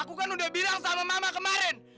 aku kan udah bilang sama mama kemarin